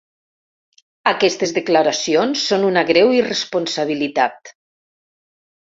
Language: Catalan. Aquestes declaracions són una greu irresponsabilitat.